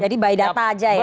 jadi by data aja ya